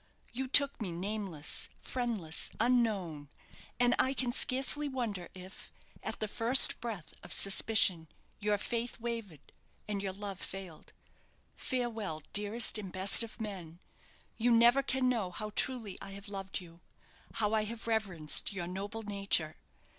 You took me nameless, friendless, unknown; and I can scarcely wonder if, at the first breath of suspicion, your faith wavered and your love failed. Farewell, dearest and best of men! You never can know how truly I have loved you; how I have reverenced your noble nature.